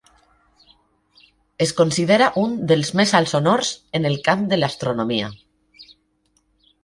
Es considera un dels més alts honors en el camp de l'astronomia.